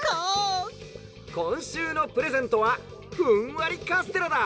「こんしゅうのプレゼントはふんわりカステラだ。